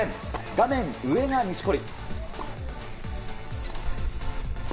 画面上が錦織。